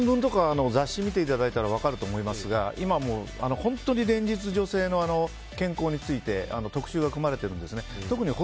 新聞とか雑誌を見ていただいたら分かると思いますが今、本当に連日女性の健康について特集が組まれているんですね。